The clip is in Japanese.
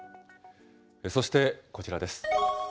そしてこちらです。